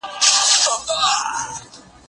زه سبزیجات نه وچوم؟